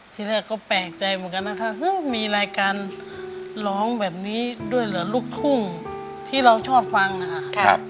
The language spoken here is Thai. ที่แรกก็แปลกใจเหมือนกันนะถ้ามีรายการร้องแบบนี้ด้วยเหรอลูกทุ่งที่เราชอบฟังนะคะ